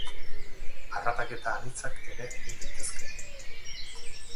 Harrapaketa anitzak ere egin daitezke.